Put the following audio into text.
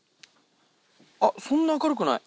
そんな明るくない。